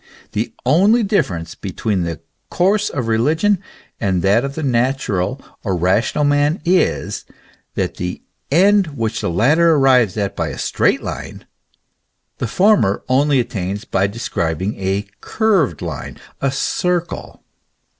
The only difference between the course of religion and that of the natural or rational' man is, that the end which the latter arrives at by a straight line, the former only attains by describing a curved line a circle.